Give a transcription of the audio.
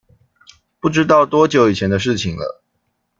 不知道多久以前的事情了